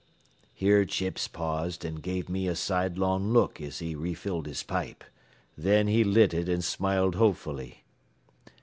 Here Chips paused and gave me a sidelong look as he refilled his pipe. Then he lit it and smiled hopefully.